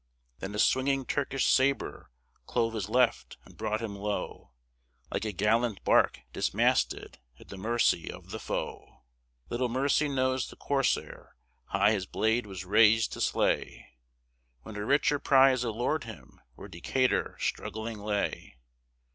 Then a swinging Turkish sabre clove his left and brought him low, Like a gallant bark, dismasted, at the mercy of the foe. Little mercy knows the corsair: high his blade was raised to slay, When a richer prize allured him where Decatur struggling lay.